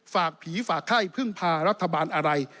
ฝากผีฝากไข้พึ่งพารัฐบาลอะไร